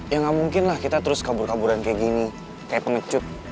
ya ga mungkin lah kita terus kabur kaburan kaya gini kaya pengecut